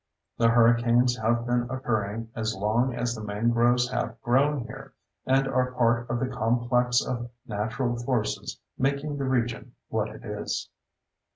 The hurricanes have been occurring as long as the mangroves have grown here and are part of the complex of natural forces making the region what it is.